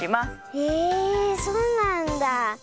えそうなんだ。